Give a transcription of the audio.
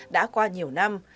đã qua nhiều năm